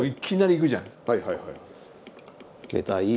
はいはいはい。